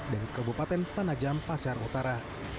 dan kabupaten panajam pasar utara